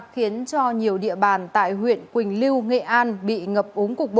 khiến cho nhiều địa bàn tại huyện quỳnh lưu nghệ an bị ngập ống cục